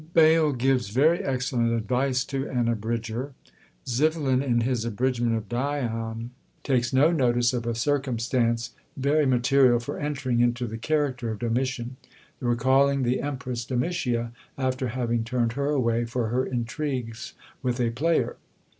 Bayle gives very excellent advice to an Abridger, Xiphilin, in his "Abridgment of Dion," takes no notice of a circumstance very material for entering into the character of Domitian: the recalling the empress Domitia after having turned her away for her intrigues with a player.